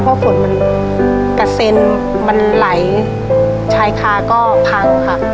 เพราะฝนมันกระเซ็นมันไหลชายคาก็พังค่ะ